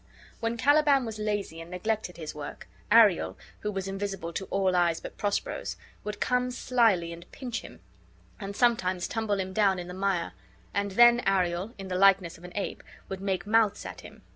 When Caliban was lazy and neglected his work, Ariel (who was invisible to all eyes but Prospero's) would come slyly and pinch him, and sometimes tumble him down in the mire; and then Ariel, in the likeness of an ape, would make mouths at him.